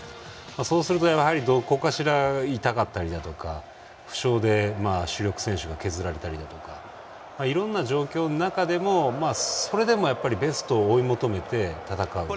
そうするとどこかしら痛かったりとか負傷で主力選手が削られたりいろんな状況の中でもそれでもベストを追い求めて戦う。